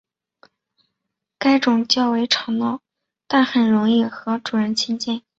该种较为吵闹但很容易和主人亲近。